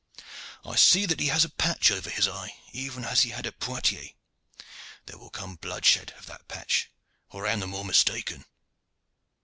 I see that he has a patch over his eye, even as he had at Poictiers. There will come bloodshed of that patch, or I am the more mistaken."